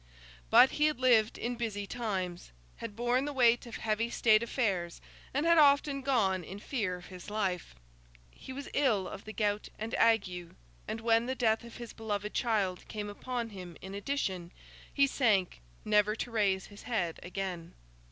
But he had lived in busy times, had borne the weight of heavy State affairs, and had often gone in fear of his life. He was ill of the gout and ague; and when the death of his beloved child came upon him in addition, he sank, never to raise his head again.